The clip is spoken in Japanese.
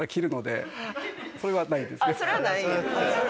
それはないんや。